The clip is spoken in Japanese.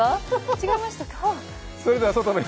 違いましたか？